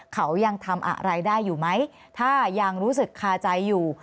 เขายังทำอะไรได้อยู่ไหมถ้ายังรู้สึกคาใจอยู่